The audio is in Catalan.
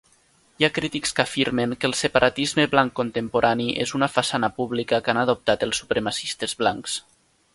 Hi ha crítics que afirmen que el separatisme blanc contemporani és una façana pública que han adoptat els supremacistes blancs.